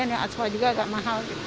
yang aspal juga agak mahal